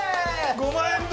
５万円分！？